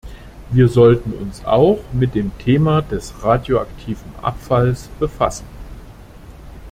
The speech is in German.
Wir sollten uns auch mit dem Thema des radioaktiven Abfalls befassen.